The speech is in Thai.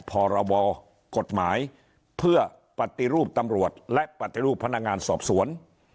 พรบกฎหมายเพื่อปฏิรูปตำรวจและปฏิรูปพนักงานสอบสวน